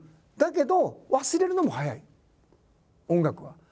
だけど忘れるのも早い音楽は。